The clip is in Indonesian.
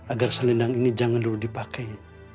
agar selendang ini jangan dulu dipakai